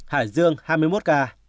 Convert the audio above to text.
hải dương hai mươi một ca